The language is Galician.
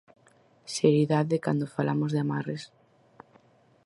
Seriedade cando falamos de amarres.